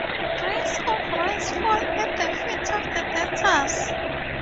Grains of rice fall at the feet of the dancers.